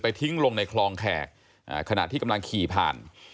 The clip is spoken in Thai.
ทิ้งลงในคลองแขกขณะที่กำลังขี่ผ่าน